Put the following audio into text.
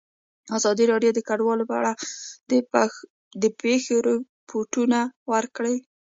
ازادي راډیو د کډوال په اړه د پېښو رپوټونه ورکړي.